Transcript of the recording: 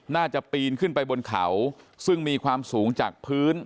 ปีนขึ้นไปบนเขาซึ่งมีความสูงจากพื้น